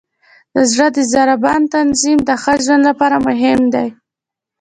د زړه د ضربان تنظیم د ښه ژوند لپاره مهم دی.